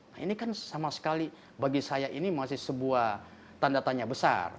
nah ini kan sama sekali bagi saya ini masih sebuah tanda tanya besar